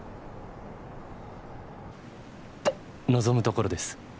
「望むところです！